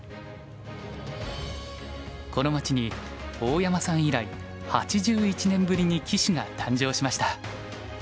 この町に大山さん以来８１年ぶりに棋士が誕生しました。